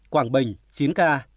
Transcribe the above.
quảng bình chín ca